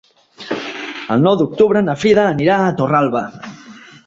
El nou d'octubre na Frida anirà a Torralba.